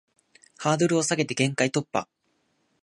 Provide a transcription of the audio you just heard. ハードルを下げて限界突破